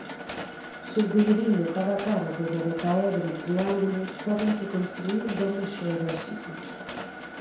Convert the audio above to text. Subdividindo cada cara do dodecaedro en triángulos pódense construír domos xeodésicos.